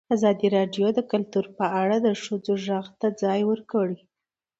ازادي راډیو د کلتور په اړه د ښځو غږ ته ځای ورکړی.